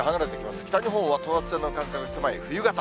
北日本は等圧線の間隔が狭い冬型。